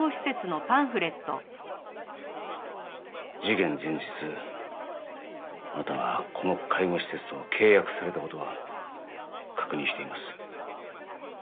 事件前日あなたがこの介護施設と契約された事は確認しています。